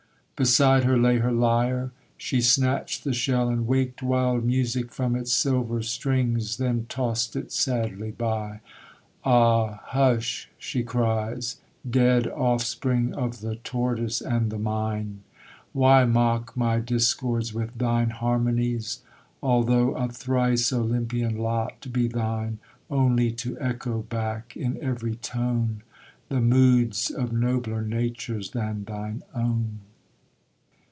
Beside her lay her lyre. She snatched the shell, And waked wild music from its silver strings; Then tossed it sadly by. 'Ah, hush!' she cries; 'Dead offspring of the tortoise and the mine! Why mock my discords with thine harmonies? Although a thrice Olympian lot be thine, Only to echo back in every tone The moods of nobler natures than thine own.'